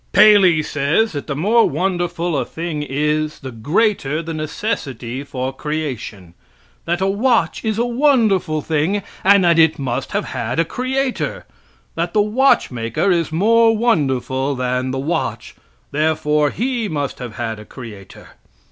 Paley says that the more wonderful a thing is, the greater the necessity for creation; that a watch is a wonderful thing, and that it must have had a creator; that the watchmaker is more wonderful than the watch, therefore he must have had a creator.